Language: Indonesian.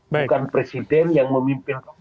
bukan presiden yang memimpin